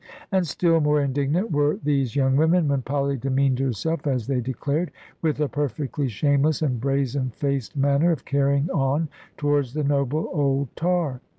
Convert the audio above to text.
And still more indignant were these young women, when Polly demeaned herself, as they declared, with a perfectly shameless and brazen faced manner of carrying on towards the noble old tar.